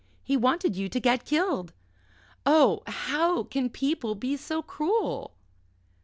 He wanted you to get killed. Oh, how can people be so cruel!"